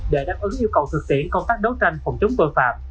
đối tượng ứng yêu cầu thực tiễn công tác đấu tranh phòng chống tội phạm